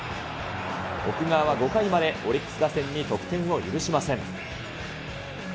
奥川は５回まで、オリックス打線に得点を許しません。